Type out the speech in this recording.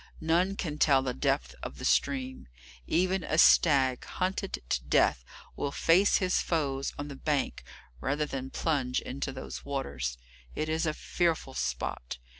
None can tell the depth of the stream. Even a stag, hunted to death, will face his foes on the bank rather than plunge into those waters. It is a fearful spot.